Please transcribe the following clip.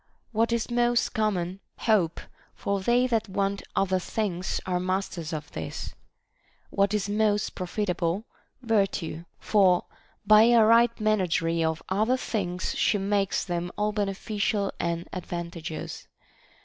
What is most common? Hope; for they that want other things are masters of this. What is most profitable % Vir tue ; for by a right managery of other things she makes them all beneficial and advantageous.